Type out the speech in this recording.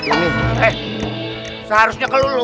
hei seharusnya ke lo